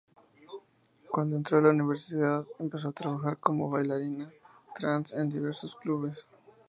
Cuando entró en la Universidad empezó a trabajar como bailarina trans en diversos clubes.